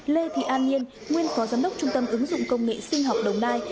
lê thị an nhiên nguyên phó giám đốc trung tâm ứng dụng công nghệ sinh học đồng nai